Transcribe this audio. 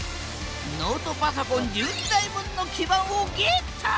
ノートパソコン１２台分の基板をゲット！